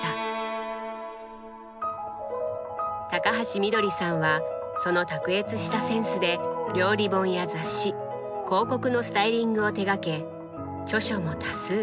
高橋みどりさんはその卓越したセンスで料理本や雑誌広告のスタイリングを手がけ著書も多数。